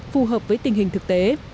phù hợp với tình hình thực tế